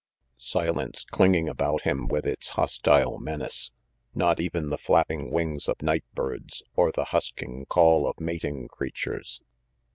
Silence clinging about him with its hostile menace! Not even the flapping wings of night birds, or the husking call of mating creatures.